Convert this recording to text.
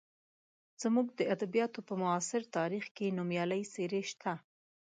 زموږ د ادبیاتو په معاصر تاریخ کې نومیالۍ څېرې شته.